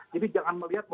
jadi jangan melihat